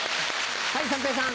はい三平さん。